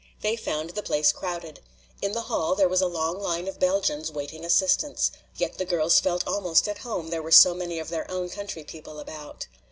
They found the place crowded. In the hall there was a long line of Belgians waiting assistance. Yet the girls felt almost at home, there were so many of their own country people about.